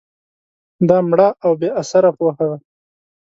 دا مړه او بې اثره پوهه ده